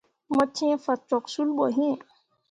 Mo cẽe fah cok sul ɓo iŋ.